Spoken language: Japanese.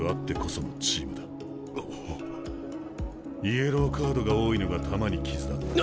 イエローカードが多いのが玉にきずだが。